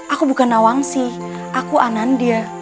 aku bukan nawangsi aku anandia